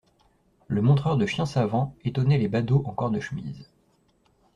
Le montreur de chiens savants étonnait les badauds en corps de chemise.